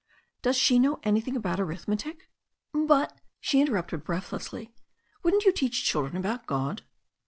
Does she know anything about arithmetic?" "But," she interrupted breathlessly, "wouldn't you teach children about God?"